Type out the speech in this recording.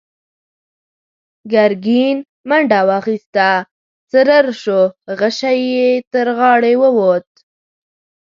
ګرګين منډه واخيسته، څررر شو، غشۍ يې تر غاړې ووت.